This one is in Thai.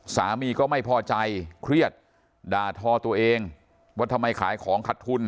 สามีก็ไม่พอใจเครียดด่าทอตัวเองว่าทำไมขายของขัดทุน